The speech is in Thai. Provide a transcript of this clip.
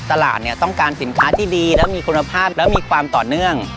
ตลาดเนี่ยต้องการสินค้าที่ดีและมีคุณภาพและมีความต่อเนื่อง